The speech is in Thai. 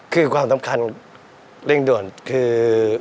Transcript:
คือความสำคัญเร่งด่วนคือ